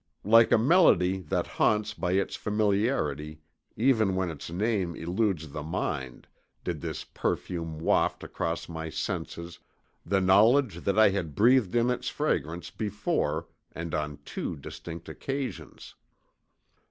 Like a melody that haunts by its familiarity even when its name eludes the mind, did this perfume waft across my senses the knowledge that I had breathed in its fragrance before and on two distinct occasions.